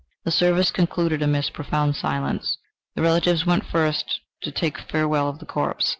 The service concluded amidst profound silence. The relatives went forward first to take farewell of the corpse.